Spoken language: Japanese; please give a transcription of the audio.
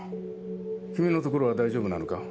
君の所は大丈夫なのか？